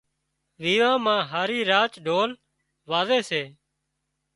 ويوان مان هارِي راچ ڍول وازي سي